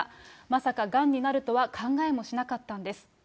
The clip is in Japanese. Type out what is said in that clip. まさか、がんになるとは考えもしなかったんです。